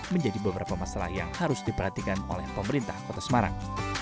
menjadi beberapa masalah yang harus diperhatikan oleh pemerintah kota semarang